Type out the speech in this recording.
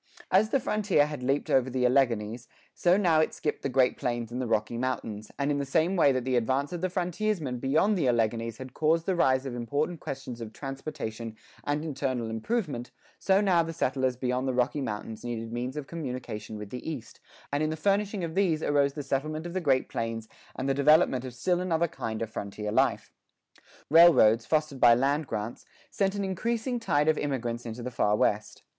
[8:3] As the frontier had leaped over the Alleghanies, so now it skipped the Great Plains and the Rocky Mountains; and in the same way that the advance of the frontiersmen beyond the Alleghanies had caused the rise of important questions of transportation and internal improvement, so now the settlers beyond the Rocky Mountains needed means of communication with the East, and in the furnishing of these arose the settlement of the Great Plains and the development of still another kind of frontier life. Railroads, fostered by land grants, sent an increasing tide of immigrants into the Far West.